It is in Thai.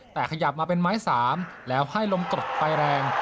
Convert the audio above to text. แต่ขยับมาเป็นไม้๓แล้วให้ลมกรดไฟแรง